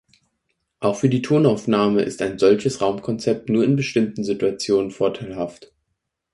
Auch für die Tonaufnahme ist ein solches Raumkonzept nur in bestimmten Situationen vorteilhaft.